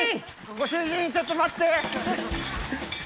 ご主人ちょっと待って！